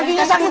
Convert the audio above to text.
suara siapa ya